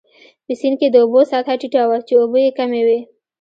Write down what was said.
په سیند کې د اوبو سطحه ټیټه وه، چې اوبه يې کمې وې.